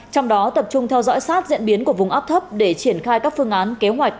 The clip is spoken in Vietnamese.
trong đó tập trung theo dõi sát diễn biến của vùng áp thấp để triển khai các phương án kế hoạch